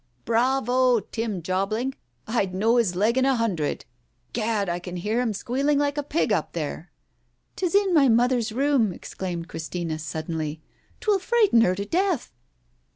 "Bravo, Tim Jobling ! I'd know his leg in a hundred. Gad, I can hear him squealing like a pig up there !"" 'Tis in my mother's room !" exclaimed Christina suddenly. " 'Twill frighten her to death."